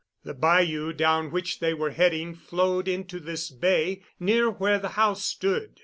The bayou down which they were heading flowed into this bay near where the house stood.